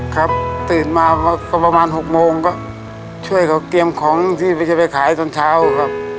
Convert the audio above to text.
ครับตื่นมาก็ประมาณ๖โมงก็ช่วยเขาเตรียมของที่จะไปขายตอนเช้าครับ